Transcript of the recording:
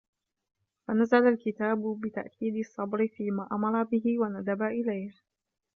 فَنَزَلَ الْكِتَابُ بِتَأْكِيدِ الصَّبْرِ فِيمَا أَمَرَ بِهِ وَنَدَبَ إلَيْهِ